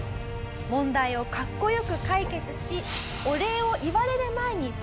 問題をかっこよく解決しお礼を言われる前にサッと立ち去る。